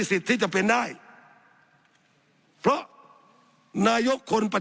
สับขาหลอกกันไปสับขาหลอกกันไป